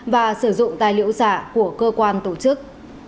và sử dụng tài liệu giả của cơ quan tổ chức